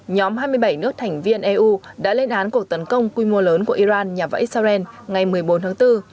nhóm hai mươi bảy nước thành viên eu đã lên án cuộc tấn công quy mô lớn của iran nhằm vào israel ngày một mươi bốn tháng bốn